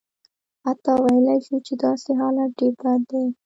حتی ویلای شو چې داسې حالت ډېر بد دی.